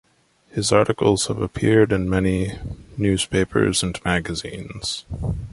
His articles have appeared in many newspapers and magazines.